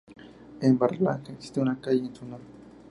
En Berlanga existe una calle en su honor.